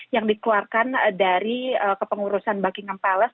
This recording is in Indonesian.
yang dikeluarkan dari kepengurusan buckingham palace